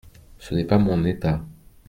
Ce n’est pas mon état.